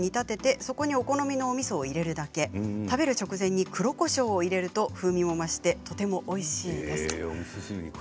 そこにお好みのみそを入れるだけ食べる直前に黒こしょうを入れると風味も増してとてもおいしいです。